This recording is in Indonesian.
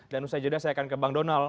dan usai jeda saya akan ke bang donal